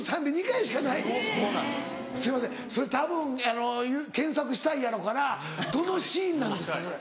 たぶんあの検索したいやろうからどのシーンなんですか？